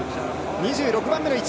２６番目の位置。